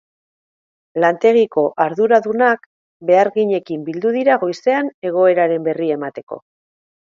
Lantegiko arduradunak beharginekin bildu dira goizean egoeraren berri emateko.